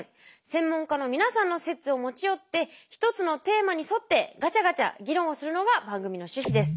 専門家の皆さんの説を持ち寄って一つのテーマに沿ってガチャガチャ議論をするのが番組の趣旨です。